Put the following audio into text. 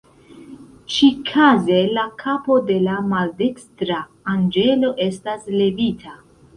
Ĉi-kaze, la kapo de la maldekstra anĝelo estas levita.